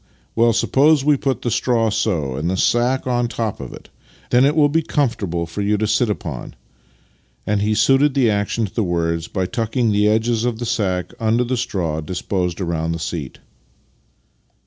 — Well, suppose we put the straw so, and the sack on the top of it. Then it will be comfortable to sit upon," — and he suited the action to the words by tucking the edges of the sack under the straw disposed around the seat.